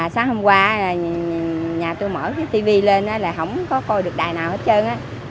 sáng hôm qua nhà tôi mở cái tv lên là không có coi được đài nào hết trơn